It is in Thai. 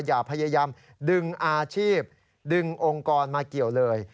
อย่าพยายามดึงอาชีพดึงองค์กรมาเกี่ยวเลย